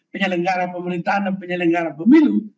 penyelenggara pemerintahan dan penyelenggara pemilu